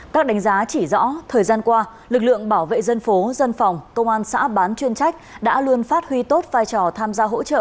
các đánh giá chỉ rõ thời gian qua lực lượng bảo vệ dân phố dân phòng công an xã bán chuyên trách đã luôn phát huy tốt vai trò tham gia hỗ trợ